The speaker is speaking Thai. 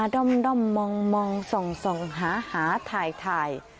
ด่อมด่อมมองมองส่องส่องหาหาถ่ายถ่าย